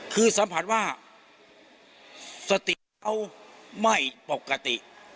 คือสัมผัสว่าสติที่มันไม่ปกติ